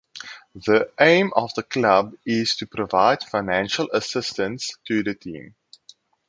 The aim of the club is to provide financial assistance to the team.